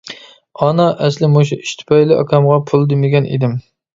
ئانا، ئەسلى مۇشۇ ئىش تۈپەيلى ئاكامغا پۇل دېمىگەن ئىدىم.